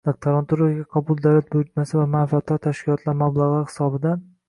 Doktoranturaga qabul davlat buyurtmasi va manfaatdor tashkilotlar mablag‘lari hisobidan